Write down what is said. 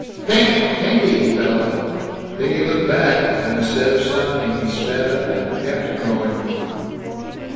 "Pink! Pinky!" he bellowed. Pinky looked back but, instead of stopping, he sped up, and kept going.